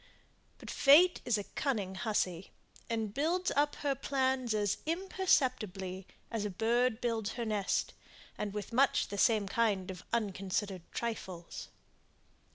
But fate is a cunning hussy, and builds up her plans as imperceptibly as a bird builds her nest; and with much the same kind of unconsidered trifles.